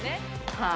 はい。